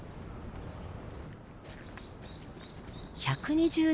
１２０年